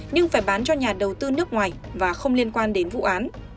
nhưng phải bán cho nhà đầu tư nước ngoài và không liên quan đến vụ án